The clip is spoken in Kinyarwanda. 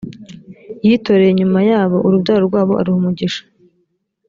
yitoreye nyuma yabo urubyaro rwabo aruha imigisha